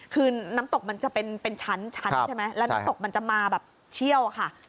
คือน้ำตกมันจะเป็นชั้นใช่ไหมแล้วน้ำตกมันจะมาแบบเชี่ยวอะค่ะ